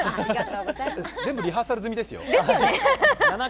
全部リハーサル済みですよ。